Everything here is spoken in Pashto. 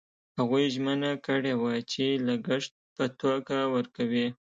هغوی ژمنه کړې وه چې لګښت په توګه ورکوي.